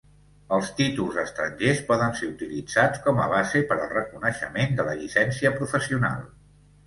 Els títols estrangers poden ser utilitzats com a base per al reconeixement de la llicència professional.